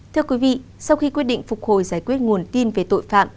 thưa quý vị sau khi quyết định phục hồi giải quyết nguồn tin về tội phạm